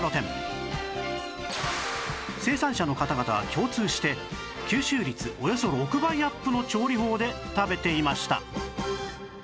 生産者の方々は共通して吸収率およそ６倍アップの調理法で食べていました